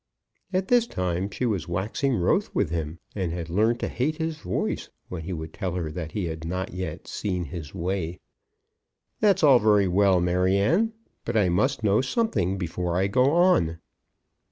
At this time she was waxing wroth with him, and had learned to hate his voice, when he would tell her that he had not yet seen his way. "That's all very well, Maryanne; but I must know something before I go on."